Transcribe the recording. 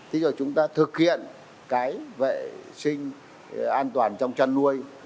thế rồi chúng ta thực hiện cái vệ sinh an toàn trong chăn nuôi